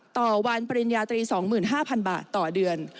ต่อวันปริญญาตรี๒๕๐๐๐บาทต่อเดือน